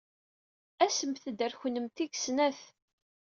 Asemt-d ɣer kennemti deg snat.